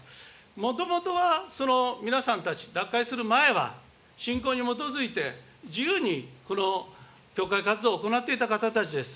もともとは皆さんたち、脱会する前は、信仰に基づいて、自由にこの教会活動を行っていた方たちです。